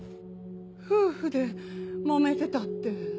夫婦でもめてたって。